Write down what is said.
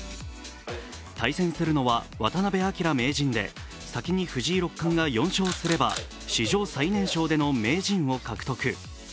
対戦するのは渡辺明名人で先に藤井六冠が４勝すれば史上最年少での名人を獲得。